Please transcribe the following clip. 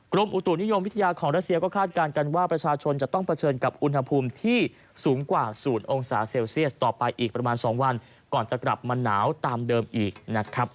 กรมอุตุนิยมวิทยาของรัสเซียก็คาดการณ์กันว่าประชาชนจะต้องเผชิญกับอุณหภูมิที่สูงกว่า๐องศาเซลเซียสต่อไปอีกประมาณ๒วันก่อนจะกลับมาหนาวตามเดิมอีกนะครับ